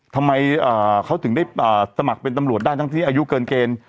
ทำไมเขาถึงได้สมัครเป็นตำรวจได้ทั้งที่อายุเกินเกณฑ์